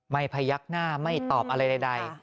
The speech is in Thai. พยักหน้าไม่ตอบอะไรใด